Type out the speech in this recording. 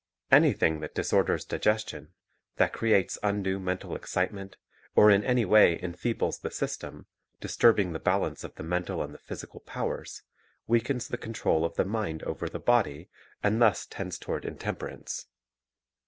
Anything that disorders digestion, that creates undue mental excitement, or in any way enfeebles the system, disturbing the balance of the mental and the physical powers, weakens the control of the mind over the body, and thus tends toward intemperance.